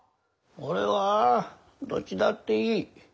俺はどっちだっていい。